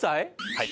はい。